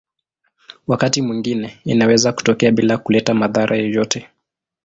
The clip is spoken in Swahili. Wakati mwingine inaweza kutokea bila kuleta madhara yoyote.